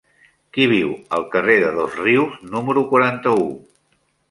Qui viu al carrer de Dosrius número quaranta-u?